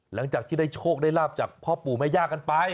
หลังจากที่ได้โชคได้ลาบจากพ่อปู่แม่ย่ากันไป